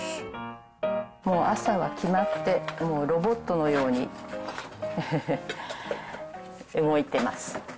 もう朝は決まって、もうロボットのように動いてます。